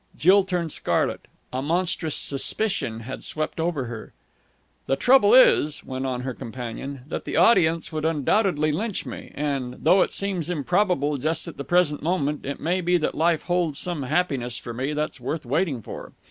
Jill turned scarlet. A monstrous suspicion had swept over her. "The only trouble is," went on her companion, "that the audience would undoubtedly lynch me. And, though it seems improbable just at the present moment, it may be that life holds some happiness for me that's worth waiting for.